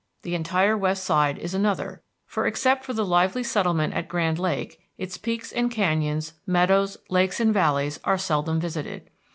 The entire west side is another, for, except for the lively settlement at Grand Lake, its peaks and canyons, meadows, lakes, and valleys are seldom visited.